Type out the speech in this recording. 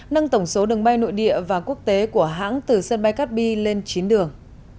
nâng tổng số đường bay nội địa và quốc tế của hãng từ sân bay cát bi lên chín đường